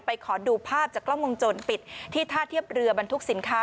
ขอดูภาพจากกล้องวงจรปิดที่ท่าเทียบเรือบรรทุกสินค้า